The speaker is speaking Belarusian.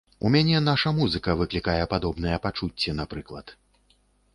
У мяне наша музыка выклікае падобныя пачуцці, напрыклад.